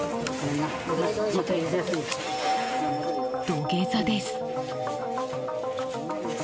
土下座です。